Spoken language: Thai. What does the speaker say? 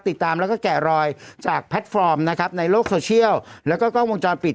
ติดตามแล้วก็แกะรอยจากแพลตฟอร์มนะครับในโลกโซเชียลแล้วก็กล้องวงจรปิด